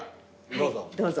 どうぞ。